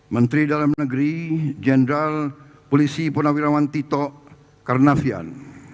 menteri dalam negeri jenderal polisi purnawirawan tito karnavian